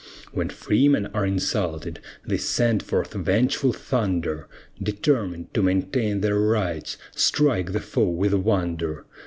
When freemen are insulted, they send forth vengeful thunder, Determined to maintain their rights, strike the foe with wonder.